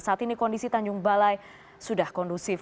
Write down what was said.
saat ini kondisi tanjung balai sudah kondusif